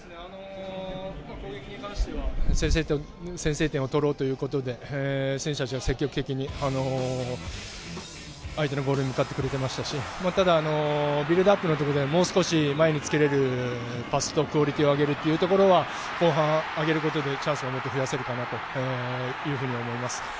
攻撃に関しては、先制点を取ろうということで、選手達が積極的に相手のボールに向かってくれていましたし、ただビルドアップのところでもう少し前につけれるパスのクオリティーをあげるというところは後半上げることでチャンスが増やせるかなというふうに思います。